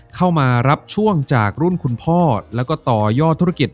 เข้ามารับช่วงจากรุ่นคุณพ่อแล้วก็ต่อยอดธุรกิจ